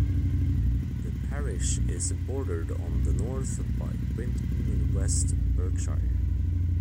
The parish is bordered on the north by Brimpton in West Berkshire.